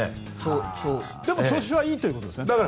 でも、調子はいいということですね。